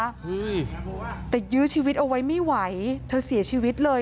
นี่แต่ยื้อชีวิตเอาไว้ไม่ไหวเธอเสียชีวิตเลย